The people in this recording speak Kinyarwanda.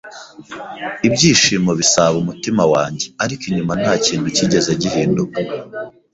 ibyishimo bisaba umutima wanjye, ariko inyuma nta kintu cyigeze gihinduka